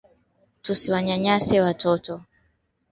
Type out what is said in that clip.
Mwenyekiti alikataa kuhudhuria mkutano